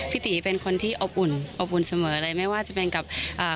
พี่ตีเป็นคนที่อบอุ่นอบอุ่นเสมอเลยไม่ว่าจะเป็นกับอ่า